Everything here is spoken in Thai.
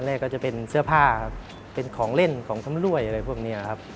แรกก็จะเป็นเสื้อผ้าครับเป็นของเล่นของชำรวยอะไรพวกนี้ครับ